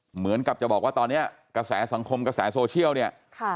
เหมือนกับจะบอกว่าตอนนี้กระแสสังคมกระแสโซเชียลเนี่ย